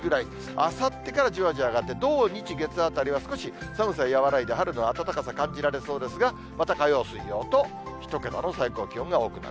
あさってからじわじわ上がって、土、日、月あたりは、少し寒さ和らいで、春の暖かさ、感じられそうですが、また火曜、水曜と、１桁の最高気温が多くなる。